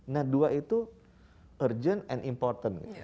nah dua itu urgent and important